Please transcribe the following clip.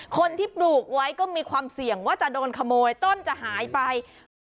คนที่ปลูกไว้ก็มีความเสี่ยงว่าจะโดนขโมยต้นจะหายไป